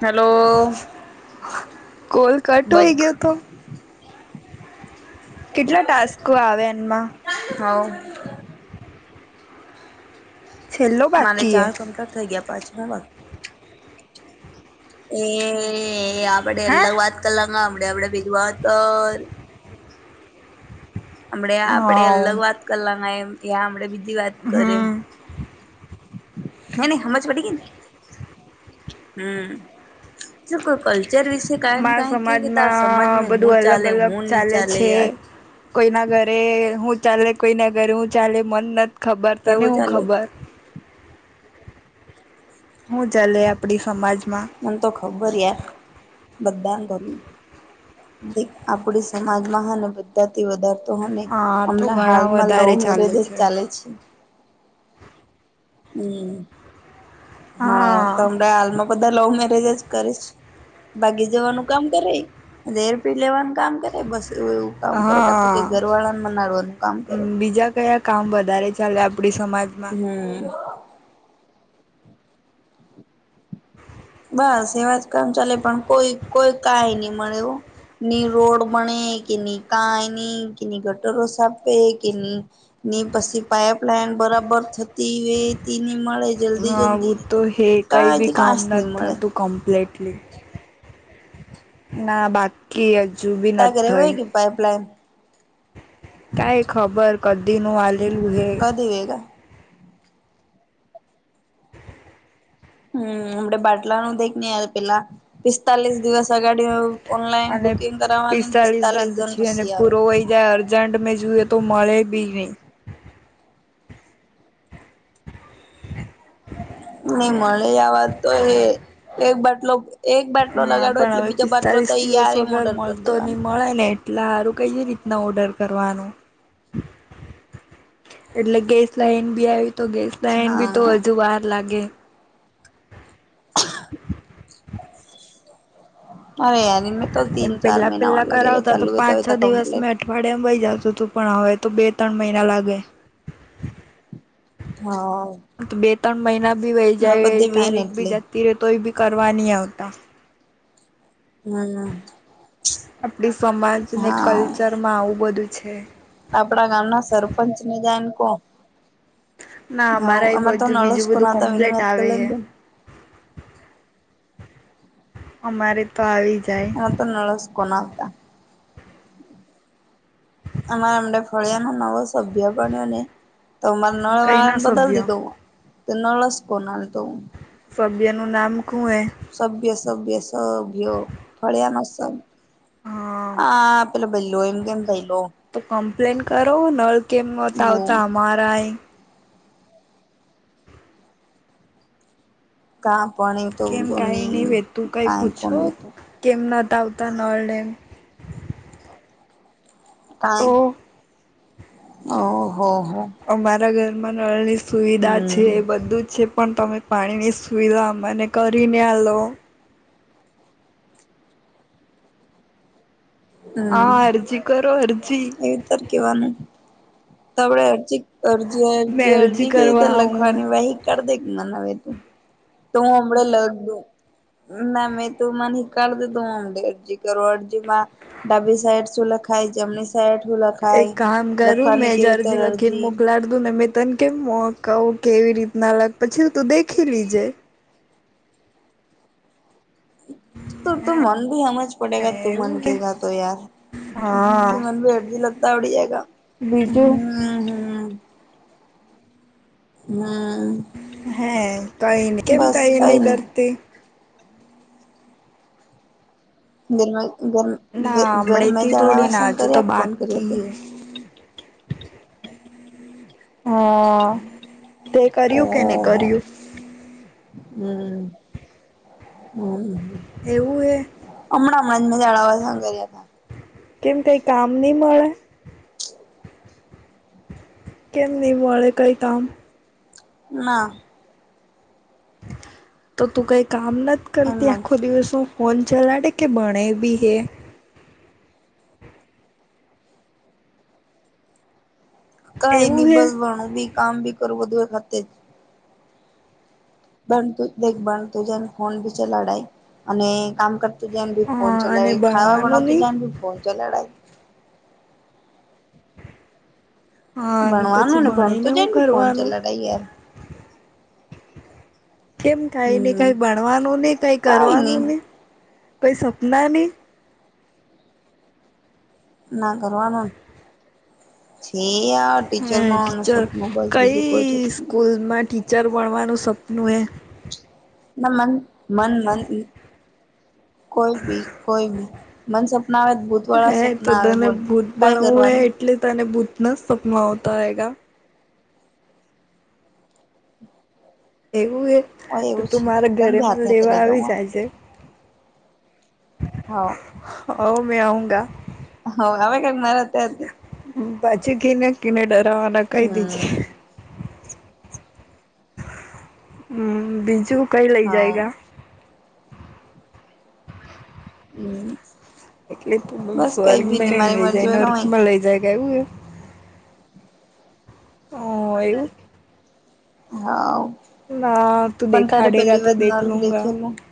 Hello. Call cut bug હોય ગયો તો? કેટલા ટાસ્કો આવે એમાં. હ. છેલ્લો મારે બાકી એ ચાર કંપ્લીટ થઈ ગયા પાંચમા વાત એ આપડે હે અલગ વાત કરલાડે આપડે બીજી વાત કર હમે આપડે હા અલગ વાત કરવામાં એમ ત્યાં આપડે બીજી વાત કરે હમ હે ને સમજ પડી ગઈ ને? હમ શું કોઈ કો? અત્યાર વિશે કાંને મારા કાઈ કે ત સમાજમાં સમજમાં હું બધું ચાલે હું હી ચાલે યાર કોઈ ના ઘરે હું ચાલે કોઈ ના ઘરે હું ચાલે મન નથી ખબર તને કેવું હું ચાલે ખબર હું ચાલે આપડી સમાજમાં? મને તો ખબર બધા ઘર એક આપડી સમાજ મહાન બ વધ તો હા તો હમણાં ઘણા હાલમાં લવ વધારે મેરેજ જ ચાલે છે. હમ હા તો હમણાં હાલમાં બધા લવ મેરેજ જ કરે છે. ભાગી જવાનું કામ કરે રેર પી લેવાનું કામ કરે બસ એવું એવું. કામ હા કરે કા તો કઈ ઘર વાળામાં નડવાનું કામ કરે બીજા કયા કામ વધારે ચાલે આપડી સમાજમાં? હમ હ બસ એવા જ કામ ચાલે પણ કોઈ કોઈ કઈ નહી મળે એવું ની રોડ બને કે કાયની કે ગટરો સાફ કે ની પછી પાઈપલાઇન બરાબર થતી વેતીની મળે હ જલ્દી ઉ જલ્દી ની તો હ કઈ બી કાંઈથી કામ કાંસ ની નથી. મળે થતું કમ્પ્લીટલી ના બાત કે હજું બી નથી થય. પાઇપલાઇન કઈ ખબર કદી નું આલેલું હે દવેગ [unintelligible] હમ અમડ બાટલા નું દઈ ને પેલા પિસ્તાલીસ દિવસ લગાડી અને પિસ્તાલીસ દિન જણ પછી એ આવે પૂરો હોય જાય અધ ઝંડ મે જુએ તો મળે ભી નહી હ નહી મળે આ વાત તો એ એક બાટલો એક બાટલો હા લગાડો પણ એટલે હવે બીજો બાટલો તૈયારી મા ઓર્ડર કરી દેવાનો કો લે [unintelligible] એટલે સારું કઈ રીતના ઓર્ડર કરવાનું? એટલે ગેસ લાઈન બી આવી તો ગેસ લાઈન બી તો હા હજુ વાર લાગે [unintelligible] અરે યાર મેં તો એમ તીન ચાર પેલા મહિના વાર પેલા લગેગા કરાવતા તો ચાલુ પાંચ હોતા છ હોતા દિવસ મા કમ્પ્લીટ વાાડિયામાં બઈ જતું તું પણ હવે તો બે ત્રણ મહિના લાગે હા બે ત્રણ મહિના ભી વહી હા જાય બધે વેન તારીખ બી એટલે જતી રે તોભી કરવા નય આવતા હમ આપડી સમાજને હા કલ્ચર માં આવું બધું છે. આપડા ગામના સરપંચની જેમ ના હા અમારા એ અમારે તો બધું નળસ બીજું કો બધું નાતા વિની કમ્પ્લેટ વાત આવે કરી લ હે અમારે તો આવી જ આ તો નળસકોન હતા. આમા એમડા ફળિયામાં નવો સભ્ય બન્યાને તો અમારે કઈ ના નળવાળાને બદલ સભ્ય દીધો નળસ કોના તો સભ્યનું નામ કું એ સભ્ય સભ્ય સભ્ય ફળિયાના સભ્ય હા આ પ ભલો એમંગ ભ લો તો કમ્પ્લેન કરો નળ કેમ નતા વો આવતા અમારા- કા પણ તો કેમ દો કાંઈ નહીં વે તું કંઈ કઈ કોણ પૂછો વતો- કેમ નોતા આવતા નળને એ- કઈ તો ઓહ હો. અમારા ઘરમાં નળની સુવિધા છે હમ એ બધું જ છે. પણ તમે પાણીની સુવિધા મને કરીને આલો. હા અરજી કરો અરજી. ત કેવાનું- તો આપણે અરજી મેં અરજી [unintelligible] કેવી રીતે કરવા આવું લખવાની વળી. કરી દે કે મનેવે તું તો હ હમળે લગ દઉ- ના મેં તું મને કર દધું અમે અરજી કરો અરજીમાં- ડાબી સાઈટ શું લખાય જમણી સાઈટ શું એક લખાય કામ કરું મેં લખવાની- જ કેવી રીતે લખીને અરજી- મોકલાડ મેં તને કેમ કરી કહું કેવી રીતના લખ પછી તું દેખી લેજે - તો તું મન ભી સમજ પડેગ તું મન એવું કે હે ગા તો યાર- હા પછી મને ભી અરજી લખતાં આવડી જાય બીજું હમ. હમ! હે કઈ નહી કેમ કઈ નહી કરતી- ગરમ ગર ના ગરમે હમણાંથી જળા થોડી ના વાસણ હજુ તો કર્યા કોણ કર્યા બાકી તે- હે. હા તે કર્યું કે નહી કર્યું? હમ! હમ! એવું હે હમણાં જ મજાડા વસ કરર્યા હતા. કેમ કઈ કામ નહીં મળે? કેમ નહી મળે કઈ કામ? ના- તો તું કઈ કામ નથી એમ કરતી જ આખો દિવસમાં? ફોન ચલાડે કે ભણે ભી? કાઈ એવું નહી હે બસ ભણું બી કામ ભી કરું બધું એ ખતમ. બનતું જ દેખ બનતું જને ખોન બીચે લડાય અને કામ કર- તો જેન ભી ફોન હા ચલા અને ખાવા ભણવાનું બનાવતો તો નહી જેન ભી ફોન ચલા ર- હા અને પછી બનવાનુંને બનતો ભણીને જ હું ફોન કરવાનું ચલાડા યાર. કેમ કઈને હમ કઈને ભણવાનું નહીં? કઈ કરવાનું નહી? કઈ સપના નહી? ના કરવાનું- છે આ ટીચર હ બનવાનું સપનું બસ બીજું કંઈ નથી. માં ઠી- ચર ભણવાનું સપનું એ- ના મન મન મન- કોઈ બી કોઈ બી મન સપના આવે ભૂત વાળા હે તો સપના આવે તને બોલ. ભૂત કઈ બનવું હે કરવાનું એટલે તને ભૂતના સપનાં આવતાં હે. એવું એ ઓ તો એવું તું છે મારા તને ઘરે બી હાથે હાથે રહેવા લઈ આવીશ જાઉં આજે. હા. [unintelligible] હ આવ ક મારતે અતી- બાછી [unintelligible] કઈ દી હમ છેે હમ બીજું કઈ લઇ હા જાયગ હમ એટલે ત બસ કઈ બી બોર્કમાં નહી મારી લઇ મરજી જાયને હોય કમાઈ અર્કમાં લઇ જાય એવું- હ એ- હા ના તું પણ તારે દેખાડેગા પેલી તો વાત ન દેખ લુંગા દેખેલું-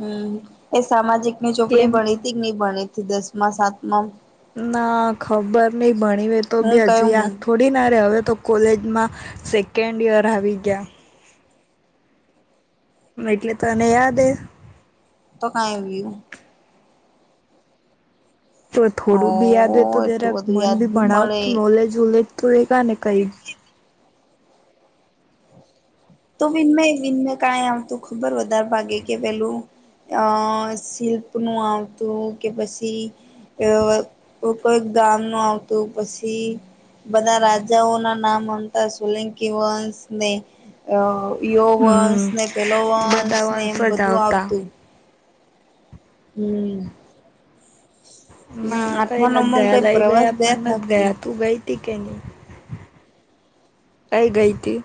હમ એ સામાજિક ની કેમ ચોપડી ભણી હતી કે નઈ ભણી હતી દસ સાતમા- ના ખબર નય ભણીવે તો હું બી હજુ કયું યાદ હું થોડી ડી નારે હવે તો કોલેજમાં સેકન્ડ યર આવી ગયા હ એટલે તને યાદ એ તો [unintelligible] તો થોડું બી યાદ હોય તો ઓ એટલું જરાક બધું મન યાદ ભી નહી ભણાવ મળે નોલેજ હોલેજ તો એ કા ને કઈ તો વિનમય વિનમય કાય આવતું ખબર વધારે ભાગે કે પેલું અ શિલ્પનું આવતું કે પછી એ કોઈક ગામ નું આવતું પછી બધા રાજાઓના નામ અતા સોલંકી વંશને અ યો વંશ હમ ને પેલો બધા વંશ ને એમ વંશો જ બધું આવતા આવતું હમ્મ. ના કઈ આઠમા નથ નવમાં ગયા કઈ લઈ પ્રવાસ ગયા પણ નથ થાક નહી ગયા તું ગઈ [unintelligible] કઈ ગઈ હતી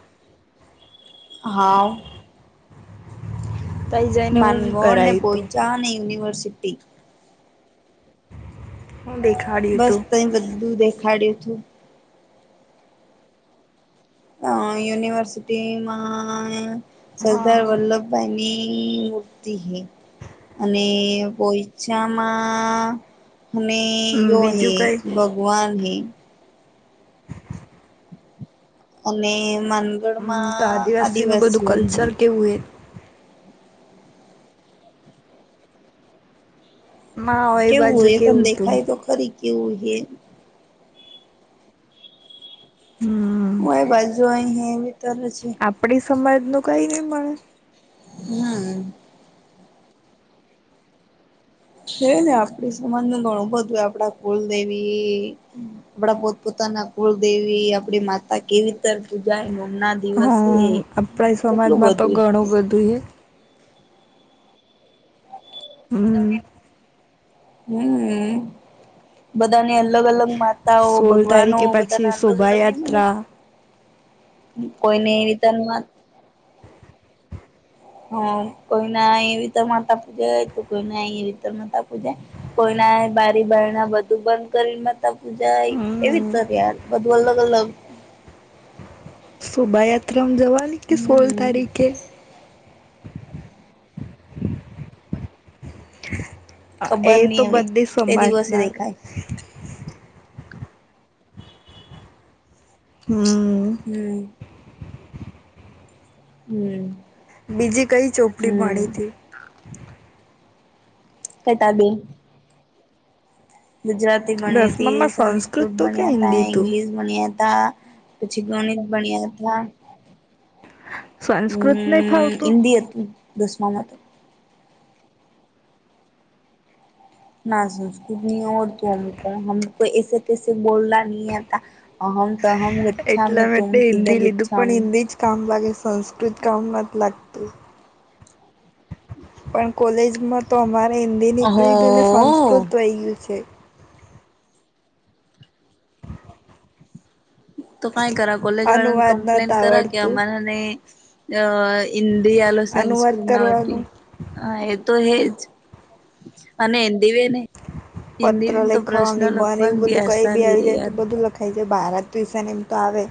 હા તઈ જઈને હું માંનગોળને કરાયું તું પોયચાને યુનિવર્સિટી હું દેખાડયુ બસ તહી બધું દેખાડ્યું હતું અ યુનિવર્સિટીમાં હા સરદાર વલ્લભ ભાઈ ની મૂર્તિ હૈ અને પોઈચામાં હમે હમ યો બીજું હૈ કઈ ભગવાન હૈ અને માનગઢ માં આદિવાસીઓ તુંવેર ના કેવું બાજુ હોય એ તને કેવું તું દેખાય તો ખરી કેવું એ હમ હું બાજુ [unintelligible] તાર છે આપણી સમાજ નું કંઈ નહીં મળે હમ્મ છે ને આપણી સમાજ નું ઘણું બધું આપડા કુલદેવી આપણા પોતપોતાના કુળદેવી આપડી માતા કેવી ઉતર પૂજા નોમ ના દિવસે હા કેટલું બધું હે હમ્મ હમ્મ બધાને અલગ અલગ માતાઓ સોળ ભગવાનો તારીખે પછી બધાને અલગ અલગ ની મળે શોભાયાત્રા કોઈને રીતનમાં હ કોઈ ના એવીતે માતા પૂજે તો કોઈ ના એવીતે માતા પૂજે કોઈના બારી બારણા બધું બંધ કરી પૂજાય એવી હમ તયાર બધું અલગ અલગ શોભાયાત્રામાં જવાની કે સોલ હમ તારીખે એ ખબર તો નઈ હવે બધી તે સમાજ દિવસે ના આવે દેખાય હમ્મ હમ્મ. હમ્મ બીજી કઈ ચોપડી ભણીથી [unintelligible] ગુજરાતી ભણીતી દસમામાં સંસ્કૃત તું કે ભણ્યાતા હિન્દી તું ઇંગલિશ ભણ્યાતા પછી ગણીત ભણ્યાતા સંસ્કૃત નહી હમ્મ ફાવતું હિન્દી દસમામાં તો ના સંસ્કૃત નહી આવડતું એટલા માટે અમને હિન્દી લીધું પણ [unintelligible] [unintelligible] હિન્દી જ કામ લાગે સંસ્કૃત કામ નથી લાગતું. પણ કોલેજમાં તો અમારે હિન્દી નીકળી ગયું ને ઓહો સંસ્કૃત થઈ ગયું છે. તો કઈ કરા કોલેજ વાળા ને અનુવાદ નત કમ્પ્લેન કરા કે આવડતું અમારાને અ હિન્દી આલે સે અનુવાદ સંસ્કૃત ના વટી. કરવાનું હા એ તો હેજ અને એ દિવે ને. પત્ર લેખાવની બાર લખવાની એવું બી બધું કઈ બી આસાની આવી રે જાય યાર તો બધું લખે. થ ભારત ટ્યુસન એમ તો આવે.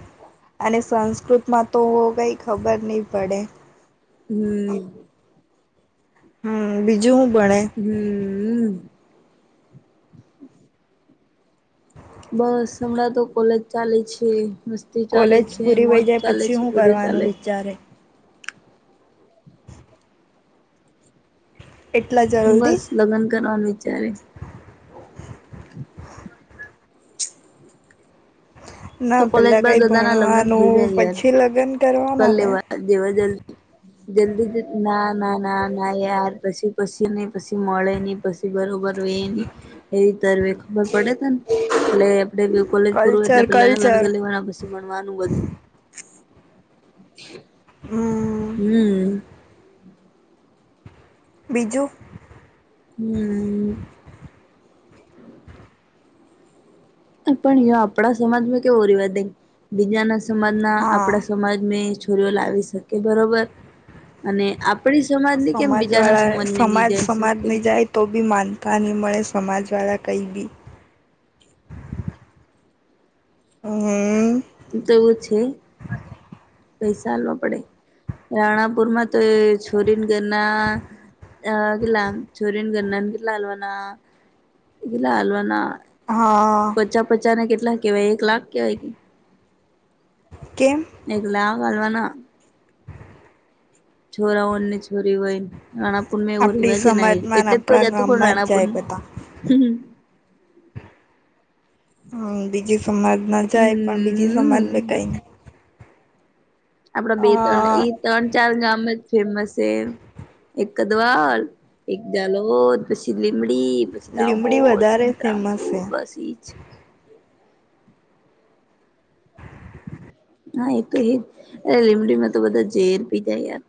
અને સંસ્કૃતમાં તો કઈ ખબર નહી પડે. હમ. હમ બીજું હું ભણે. હમ. બસ હમણાં તો કોલેજ ચાલુ છે. બધું ચાલે કોલેજ છે પૂરી વહી મોજ જાય ચાલે પછી છે હું બધું કરવાનું ચાલે. વિચારે એટલા જ. બસ લગ્ન કરવાનો વિચારે હે. તો ના કોલેજ પેલા બાદ કઈ બધાના ભણવાનું પછી લગ્ન. ક કરવાના ને લેવા જેવા જલ્દી. જલ્દી જ ના ના ના ના યાર પછી પછી નહી પછી મળે નહી પછી. બરોબર હોય એ એવી તરવે ખબર પડે તો ને એટલે આપડે કોલેજ પૂરું એટલે કલ્ચર પેલા લગ્ન કલ્ચર કરી લેવાના પછી ભણવાનું બંદ. [unintelligible] હમ. હમ. બીજું. હમ. પણ આપણા સમાજમાં કેવો રિવાદ બીજા ના સમાજના હા આપડા સમાજમે દુહલન આવી શકે. કે બરોબર અને આપડી સમાજ ને કેમ બીજા ના સમાજવાળા સમાજમાં નહી સમાજ જાય શકે. સમાજની જાય તો બી માનતા નહીં મળે સમાજવાળા કંઈ બી. હ તો એવું છે પૈસા આલવા પડે. રાણાપુર માં તો એ છોરી ના ઘરના. અ કેટલા આમ છોરીને ઘરના ને કેટલા હાલવાના કેટલા હાલવાના. હા. પચા પચાને કેટલા કેવાય એક લાખ કેવાય કે. કેમ. એક લાખ આલવાના. છોરાઓને છોરી હોય ને. રાણાપુર મે એવો આપણી રિવાજે નાઇ સમાજમાં ને એટલે તો આપણા જતુ કોણ ગામમાં જ રાણાપુર જાય નું. બધા હમ હમ. હમ બીજી સમાજ ના જાય પણ બીજી સમાજ કઈ ના આપડા બે-ત્રણ એ ત્રણ -ચાર ગામજ ફેમસ છે એમ. એક કદવાલ એક જાલોદ પછી લીમડી છિતા લીમડી દાહોજ, વધારે ફેમસ સંતરામપુર છે બસ ઈજ. હાએ તો એજ અરે લીમડીમાં તો બધા ઝેરપી જાય યાર.